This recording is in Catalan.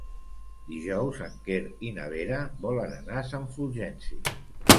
Dijous en Quer i na Vera volen anar a Sant Fulgenci.